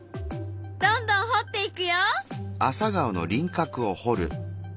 どんどんほっていくよ！